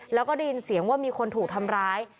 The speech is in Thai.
แล้วก็ได้ยินเสียงว่ามีคนถูกทำร้าย